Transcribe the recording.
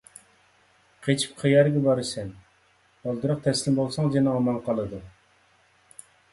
قېچىپ قەيەرگە بارىسەن؟ بالدۇرراق تەسلىم بولساڭ جېنىڭ ئامان قالىدۇ!